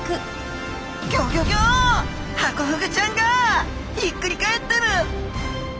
ハコフグちゃんがひっくり返ってる！？